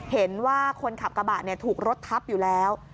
เห็นว่าคนขับกระบะถูกรถทับอยู่แล้ว